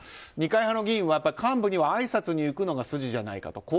二階派の議員は幹部にはあいさつに行くのが筋じゃないかと。